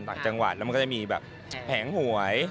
ต่างจังหวัดแล้วมันก็จะมีแบบแผงหวย